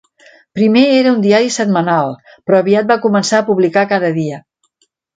Primer era un diari setmanal, però aviat van començar a publicar cada dia.